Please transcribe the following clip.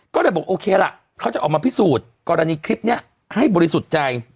ก็เลยบอกโอเคล่ะเขาจะออกมาพิสูจน์กรณีคลิปนี้ให้บริสุทธิ์ใจ